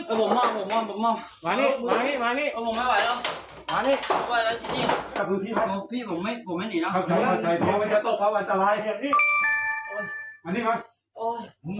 ผมไม่ไหวแล้ว